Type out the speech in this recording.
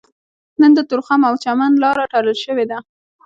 نن د تورخم او چمن لاره تړل شوې ده